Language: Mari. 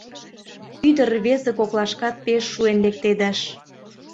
Ӱдыр-рвезе коклашкат пеш шуэн лектедыш.